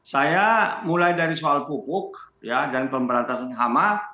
saya mulai dari soal pupuk dan pemberantasan hama